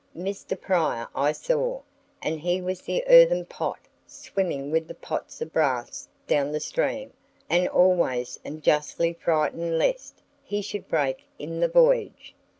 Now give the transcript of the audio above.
Mr. Prior I saw, and he was the earthen pot swimming with the pots of brass down the stream, and always and justly frightened lest he should break in the voyage.